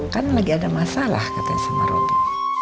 kan lagi ada masalah katanya sama roby